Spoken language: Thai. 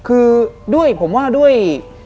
คือด้วยผมว่าด้วย